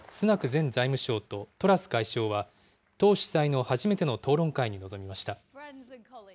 前財務相とトラス外相は、党主催の初めての討論会に臨みました。